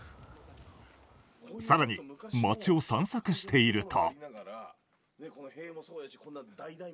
更に町を散策していると。